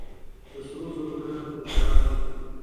د سرو زرو کان په چاه اب کې دی